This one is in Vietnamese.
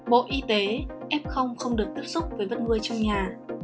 bộ y tế ép không không được tiếp xúc với vật nuôi trong nhà